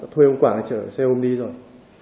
thuê ông quảng trở xe ôm đi rồi